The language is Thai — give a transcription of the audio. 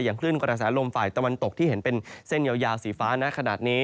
คลื่นกระแสลมฝ่ายตะวันตกที่เห็นเป็นเส้นยาวสีฟ้านะขนาดนี้